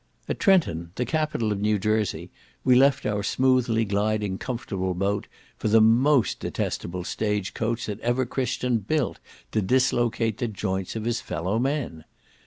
At Trenton, the capital of New Jersey, we left our smoothly gliding comfortable boat for the most detestable stage coach that ever Christian built to dislocate the joints of his fellow men.